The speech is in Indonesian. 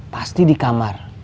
pasti di kamar